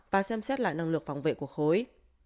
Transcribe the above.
và xem xét lại năng lực phòng vệ của khối